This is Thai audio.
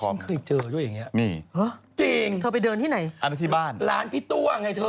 ฉันเคยเจอด้วยอย่างนี้จริงอันนั้นที่บ้านที่ตัวไงเธอ